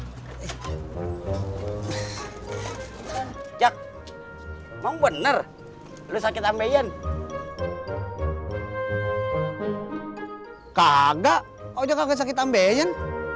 hai aja cek cek cek mau bener lu sakit ambeien kagak aja kagak sakit ambeien